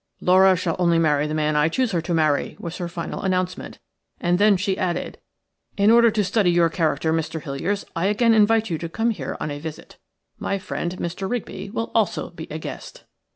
"'Laura shall only marry the man I choose her to marry,' was her final announcement, and then she added: 'In order to study your character, Mr. Hiliers, I again invite you to come here on a visit. My friend, Mr. Rigby, will also be a guest.'